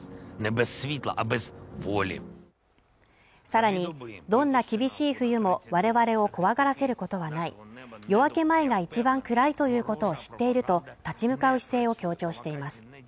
さらにどんな厳しい冬も我々を怖がらせることはない夜明け前が一番暗いということを知っていると立ち向かう姿勢を強調しています